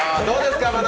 どうですか？